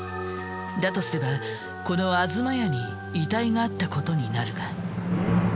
だとすればこの東屋に遺体があったことになるが。